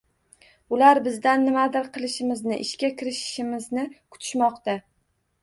Ular bizdan nimadir qilishimizni, ishga kirishishimizni kutishmoqda